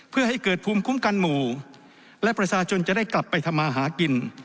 เพื่อให้เกิดภูมิคุ้มกันหมู่และประชาชนจะได้กลับไปทำมาหากิน